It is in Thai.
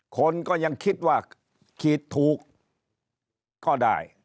คนก็ยังคิดว่าขีดถูกก็ได้